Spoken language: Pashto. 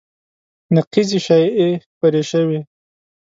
نقیضې شایعې خپرې شوې